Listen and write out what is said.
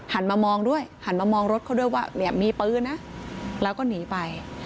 มามองด้วยหันมามองรถเขาด้วยว่าเนี่ยมีปืนนะแล้วก็หนีไป